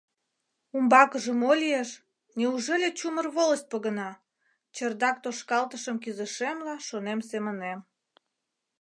«Умбакыже мо лиеш, неужели чумыр волость погына?» — чердак тошкалтышым кӱзышемла шонем семынем.